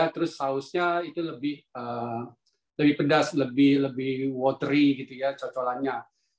terus sausnya itu lebih pedas lebih watery cocokannya